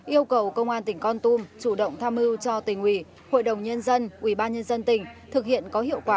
yêu cầu công an tỉnh con tum chủ động tham mưu cho tỉnh ủy hội đồng nhân dân ubnd tỉnh thực hiện có hiệu quả